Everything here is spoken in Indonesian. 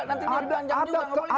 ada keputusan mahkamah militernya